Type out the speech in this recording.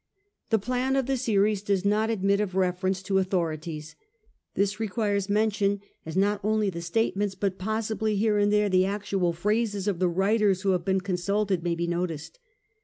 The plan of the series does not admit of reference to authorities. This requires mention, as not only the statements, but possibly here and there the actual phrases, of the writers who have been consulted may be noticed.